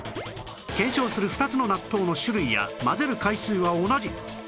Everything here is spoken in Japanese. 検証する２つの納豆の種類や混ぜる回数は同じ